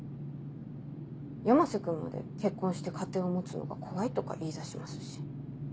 山瀬君まで結婚して家庭を持つのが怖いとか言い出しますし。